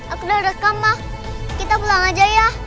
aku udah rekam mah kita pulang aja ya